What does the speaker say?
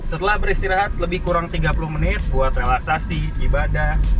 setelah beristirahat lebih kurang tiga puluh menit buat relaksasi ibadah